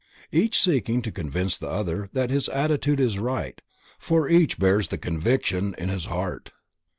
Each seeking to convince the other that his attitude is right for each bears the conviction in his heart.